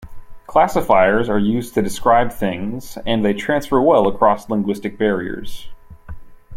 Classifiers are used to describe things, and they transfer well across linguistic barriers.